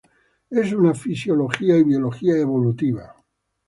Es una de fisiología y biología evolutiva.